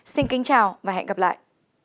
xin kính chào và hẹn gặp lại